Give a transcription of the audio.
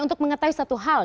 untuk mengetahui satu hal